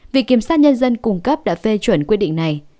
vị kiểm soát nhân dân cùng cấp đã phê chuẩn quyết định này